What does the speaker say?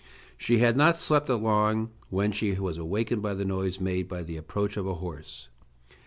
She had not slept long when she was awakened by the noise made by the approach of a horse.